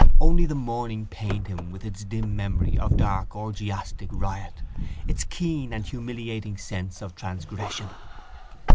Only the morning pained him with its dim memory of dark orgiastic riot, its keen and humiliating sense of transgression.